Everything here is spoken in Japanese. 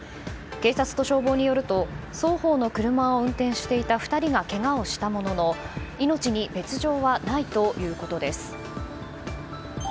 警察と消防によると双方の車を運転していた２人がけがをしたものの命に別条はないということです。